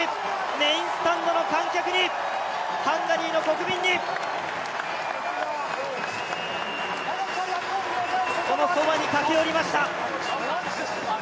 メインスタンドの観客に、ハンガリーの国民に、そのそばに駆け寄りました。